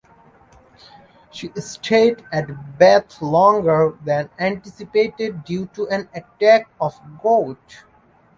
She stayed at Bath longer than anticipated due to an attack of gout.